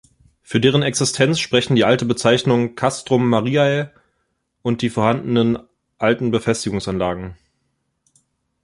Für deren Existenz sprechen die alte Bezeichnung „castrum Mariae“ und die vorhandenen alten Befestigungsanlagen.